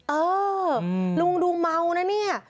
เออลุงดูเมานะเนี่ย